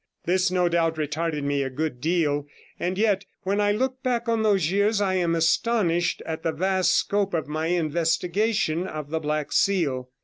This no doubt retarded me a good deal; and yet, when I look back on those years, I am astonished at the vast scope of my investigation of the Black Seal.